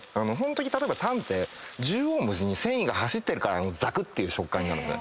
例えばタンって縦横無尽に繊維が走ってるからザクッていう食感なので。